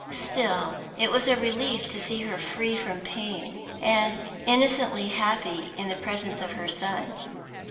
Still, it was a relief to see her free from pain, and innocently happy in the presence of her son.